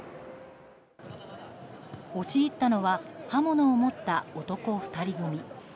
押し入ったのは刃物を持った男２人組。